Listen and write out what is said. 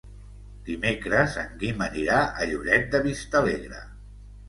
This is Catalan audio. Dimecres en Guim anirà a Lloret de Vistalegre.